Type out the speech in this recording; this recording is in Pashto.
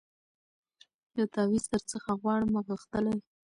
یو تعویذ درڅخه غواړمه غښتلی